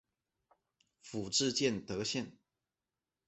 府治建德县。